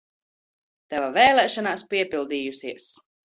Tava vēlēšanās piepildījusies!